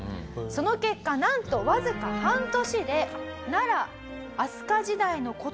その結果なんとわずか半年で。え！？